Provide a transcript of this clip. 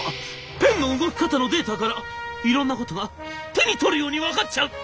ペンの動き方のデータからいろんなことが手に取るように分かっちゃう！」。